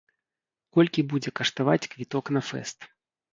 Колькі будзе каштаваць квіток на фэст?